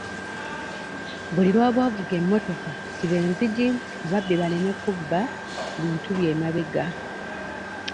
Buli lw'oba ovuga emmotoka siba enzigi ababbi baleme kubba bintu byo emabega.